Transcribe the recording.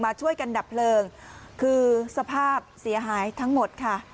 ช่วยกันดับเพลิงคือสภาพเสียหายทั้งหมดค่ะ